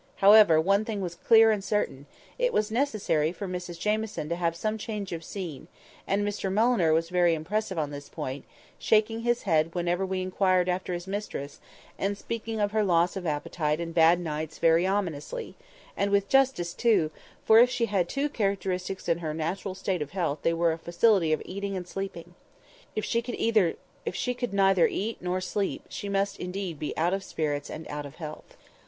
However, one thing was clear and certain—it was necessary for Mrs Jamieson to have some change of scene; and Mr Mulliner was very impressive on this point, shaking his head whenever we inquired after his mistress, and speaking of her loss of appetite and bad nights very ominously; and with justice too, for if she had two characteristics in her natural state of health they were a facility of eating and sleeping. If she could neither eat nor sleep, she must be indeed out of spirits and out of health.